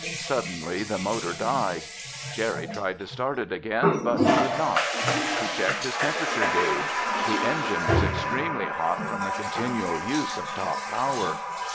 Suddenly the motor died. Jerry tried to start it again but could not. He checked his temperature gauge. The engine was extremely hot from the continual use of top power.